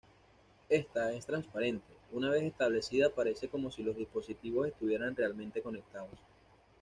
Ésta es transparente: una vez establecida parece como si los dispositivos estuvieran realmente conectados.